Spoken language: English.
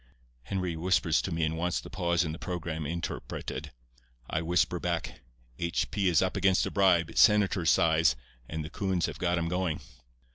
"Henry whispers to me and wants the pause in the programme interpreted. I whisper back: 'H. P. is up against a bribe, senator's size, and the coons have got him going.